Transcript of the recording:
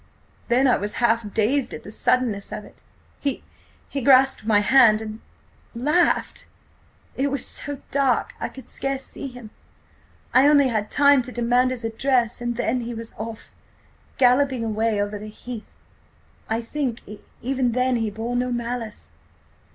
Then I was half dazed at the suddenness of it. He–he grasped my hand–and–laughed! It was so dark, I could scarce see him. I only had time to demand his address, and then–he was off–galloping away over the heath. I think–even then–he bore no malice."